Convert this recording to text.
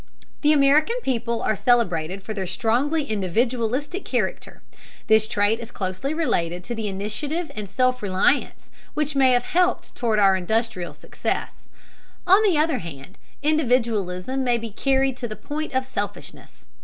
The American people are celebrated for their strongly individualistic character. This trait is closely related to the initiative and self reliance which have helped toward our industrial success; on the other hand, individualism may be carried to the point of selfishness.